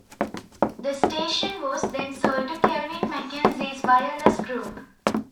The station was then sold to Kelvin MacKenzie's Wireless Group.